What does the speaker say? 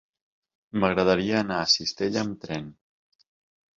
M'agradaria anar a Cistella amb tren.